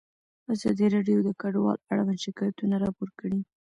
ازادي راډیو د کډوال اړوند شکایتونه راپور کړي.